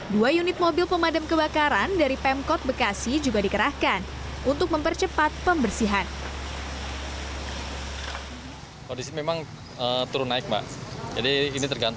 dua unit mobil pemadam kebakaran dari pemkot bekasi juga dikerahkan untuk mempercepat pembersihan